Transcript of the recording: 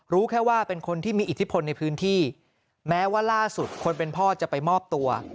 รู้แค่ว่าเป็นคนที่มีอิทธิพลในพื้นที่แม้ว่าล่าสุดคนเป็นพ่อจะไปมอบตัว